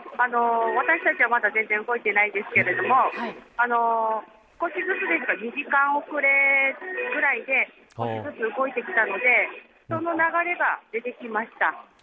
私たちは全然動いていないんですが少しずつですが２時間遅れぐらいで少しずつ動いてきたのでその流れが出てきました。